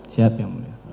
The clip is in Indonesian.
siap ya mulia